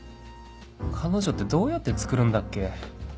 彼女ってどうやってつくるんだっけ？